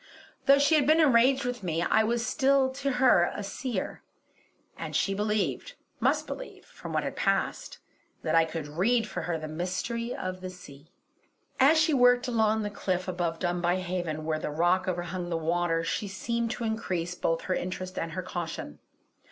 Though she had been enraged with me, I was still to her a Seer; and she believed must believe from what had passed that I could read for her the Mystery of the Sea. As she worked along the cliff above Dunbuy Haven, where the rock overhung the water, she seemed to increase both her interest and her caution.